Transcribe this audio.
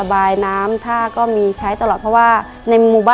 ในแคมเปญพิเศษเกมต่อชีวิตโรงเรียนของหนู